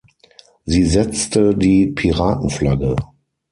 Sie setzte die Piratenflagge.